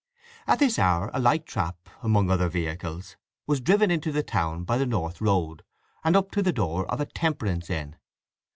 At this hour a light trap, among other vehicles, was driven into the town by the north road, and up to the door of a temperance inn.